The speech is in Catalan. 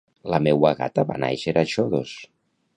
La meua gata va nàixer a Xodos.